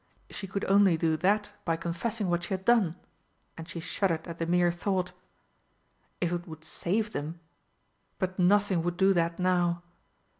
She could only do that by confessing what she had done and she shuddered at the mere thought. If it would save them but nothing would do that now!